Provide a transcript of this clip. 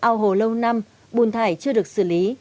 ao hồ lâu năm bùn thải chưa được xử lý